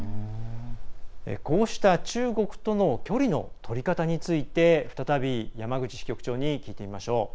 こうした中国との距離のとり方について再び山口支局長に聞いてみましょう。